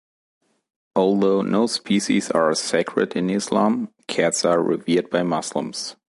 Although no species are sacred in Islam, cats are revered by Muslims.